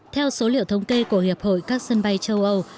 theo số liệu thống kê của hiệp hội các sân bay châu âu